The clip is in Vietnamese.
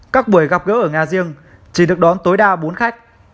các buổi gặp gỡ ở nhà riêng chỉ được đón tối đa bốn khách